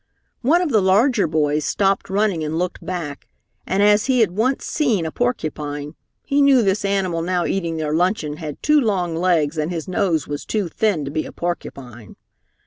One of the larger boys stopped running and looked back, and as he had once seen a porcupine, he knew this animal now eating their luncheon had too long legs and his nose was too thin to be a porcupine.